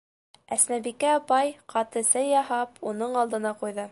Әсмәбикә апай, ҡаты сәй яһап, уның алдына ҡуйҙы.